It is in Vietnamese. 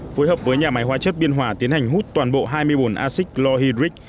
phối hợp với nhà máy hóa chất biên hòa tiến hành hút toàn bộ hai mươi bồn acid lohydric